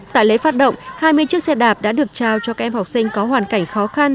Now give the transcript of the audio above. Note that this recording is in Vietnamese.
tại lễ phát động hai mươi chiếc xe đạp đã được trao cho các em học sinh có hoàn cảnh khó khăn